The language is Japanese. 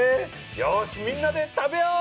よしみんなで食べよう！